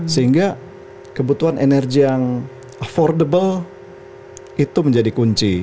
sehingga kebutuhan energi yang affordable itu menjadi kunci